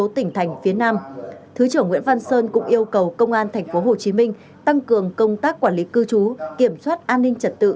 tỉnh nguyễn văn sơn cũng yêu cầu công an tp hcm tăng cường công tác quản lý cư trú kiểm soát an ninh trật tự